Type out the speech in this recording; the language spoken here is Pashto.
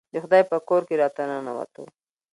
د خدای په کور کې راته ننوتو.